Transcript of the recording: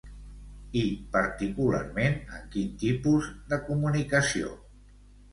I particularment en quin tipus de comunicació?